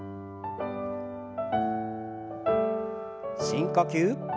深呼吸。